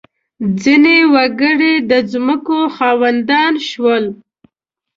• ځینې وګړي د ځمکو خاوندان شول.